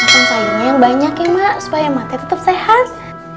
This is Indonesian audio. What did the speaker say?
makan sayurnya yang banyak ya emak supaya emak teh tetap sehat